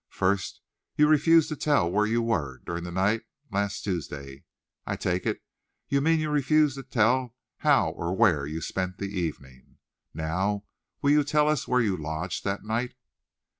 First, you refuse to tell where you were during the night last Tuesday. I take it, you mean you refuse to tell how or where you spent the evening. Now, will you tell us where you lodged that night?"